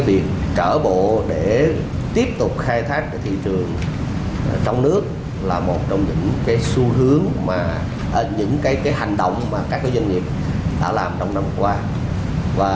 việc trở bộ để tiếp tục khai thác thị trường trong nước là một trong những hành động các doanh nghiệp đã làm trong năm qua